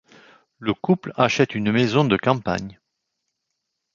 Le couple achète une maison de campagne.